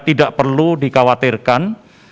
tidak perlu dikhawatirkan